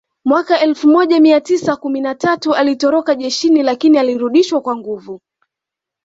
Mwaka elfu moja mia tisa kumi na tatu alitoroka jeshini lakini alirudishwa kwa nguvu